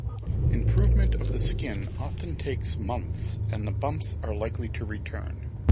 Improvement of the skin often takes months and the bumps are likely to return.